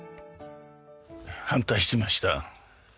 反対してました。